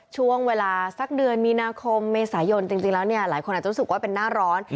ช่วงเวลาสักเดือนมีนาคมเมษายนจริงแล้วเนี่ยหลายคนอาจจะรู้สึกว่าเป็นหน้าร้อน